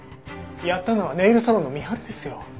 やったのはネイルサロンの深春ですよ。